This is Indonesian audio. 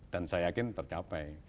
dan saya yakin tercapai